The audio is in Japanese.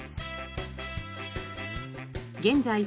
現在